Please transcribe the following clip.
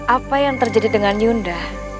apa yang terjadi dengan yunda